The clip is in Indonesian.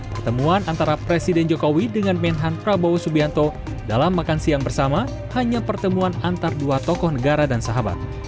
pertemuan antara presiden jokowi dengan menhan prabowo subianto dalam makan siang bersama hanya pertemuan antara dua tokoh negara dan sahabat